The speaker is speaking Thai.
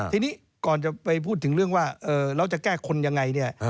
ทีนี้ก่อนจะไปพูดถึงเรื่องว่าเราจะแก้คนยังไงเนี่ย